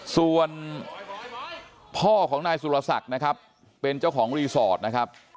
ส่วนพ่อของนายสุรศักดิ์นะครับเป็นเจ้าของรีสอร์ทนะครับ